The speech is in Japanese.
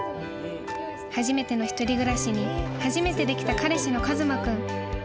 ［初めての一人暮らしに初めてできた彼氏の一馬君］